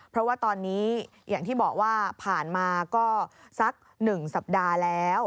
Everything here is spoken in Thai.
เพราะว่าตอนนี้อย่างที่บอกว่าผ่านมาก็สัก๑สัปดาห์แล้ว